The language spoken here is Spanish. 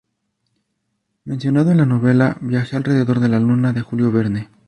Mencionado en la novela "Viaje alrededor de la Luna" de Julio Verne.